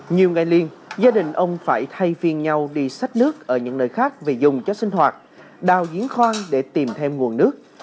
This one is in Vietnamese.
nhiều ngày liền gia đình ông phải thay phiên nhau đi sách nước ở những nơi khác về dùng cho sinh hoạt đào diễn khoan để tìm thêm nguồn nước